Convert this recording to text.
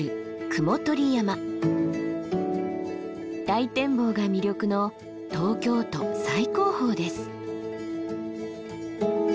大展望が魅力の東京都最高峰です。